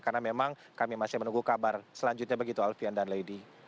karena memang kami masih menunggu kabar selanjutnya begitu alfian dan lady